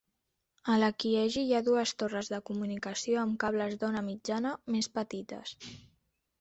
A Lakihegy hi ha dues torres de comunicació amb cables d'ona mitjana més petites.